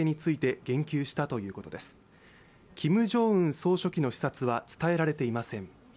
総書記の視察は伝えられていません。